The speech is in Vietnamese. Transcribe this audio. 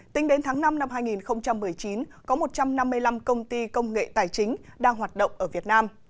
tính đến tháng năm năm hai nghìn một mươi chín có một trăm năm mươi năm công ty công nghệ tài chính đang hoạt động ở việt nam